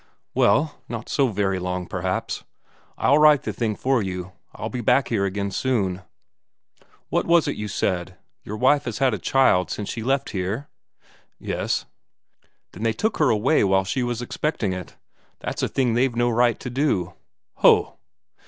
"Well, not so very long, perhaps, I'll write the thing for you. I'll be back here again soon. What was it you said your wife has had a child since she left here?" "Yes." "Then they took her away while she was expecting it. That's a thing they've no right to do." "Ho!"